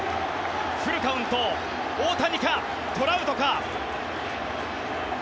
フルカウント、大谷選手かトラウトか。